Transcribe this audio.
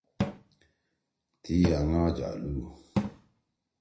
تی آنگا جالُو۔